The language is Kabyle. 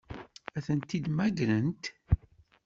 Ad tent-id-mmagrent?